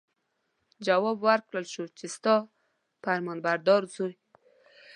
جواب ورکړل شو چې ستا فرمانبردار زوی.